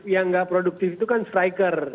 yang nggak produktif itu kan striker